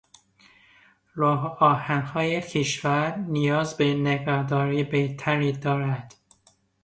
راهآهنهای کشور نیاز به نگهداری بهتری دارد.